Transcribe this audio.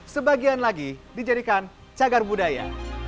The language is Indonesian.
sebagian lagi dijadikan cagar budaya